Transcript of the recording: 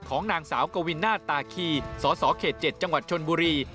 ของนางสาวกวินาศตาคีสสเขต๗จังหวัดชนบุรี